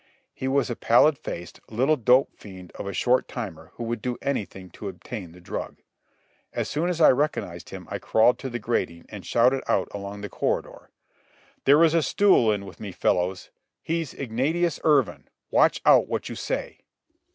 He was a pallid faced, little dope fiend of a short timer who would do anything to obtain the drug. As soon as I recognized him I crawled to the grating and shouted out along the corridor: "There is a stool in with me, fellows! He's Ignatius Irvine! Watch out what you say!"